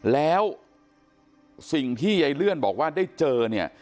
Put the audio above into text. แล้วสิ่งที่ยายเลื่อนบอกว่าได้เจอเนี่ย